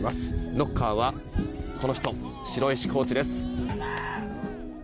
ノッカーはこの人城石コーチです。